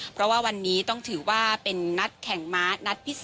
เพราะว่าวันนี้ต้องถือว่าเป็นนัดแข่งม้านัดพิเศษ